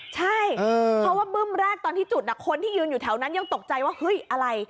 ใช่เพราะว่าบึ้มแรกตอนที่จุดคนที่ยืนอยู่แถวนั้นยังตกใจว่าเฮ้ยอะไร